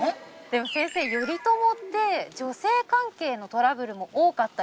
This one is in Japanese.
でも先生頼朝って女性関係のトラブルも多かった印象があるんですけど。